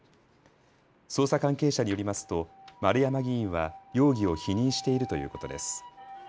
捜査関係者によりますと丸山議員は容疑を否認しているということです。